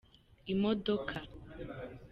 imodoka.